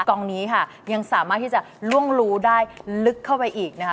กองนี้ค่ะยังสามารถที่จะล่วงรู้ได้ลึกเข้าไปอีกนะคะ